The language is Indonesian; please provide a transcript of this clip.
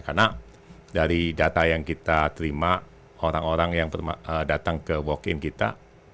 karena dari data yang kita terima orang orang yang datang ke walk in kita